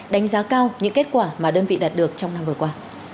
đánh giá cao những kết quả mà đơn vị đạt được trong năm vừa qua